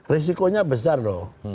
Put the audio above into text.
risikonya besar loh